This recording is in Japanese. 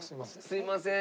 すみません。